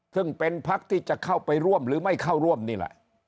ซึ่งเป็นพักที่จะเข้าไปร่วมหรือไม่เข้าร่วมนี่แหละ